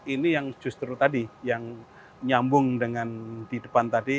ini yang justru tadi yang nyambung dengan di depan tadi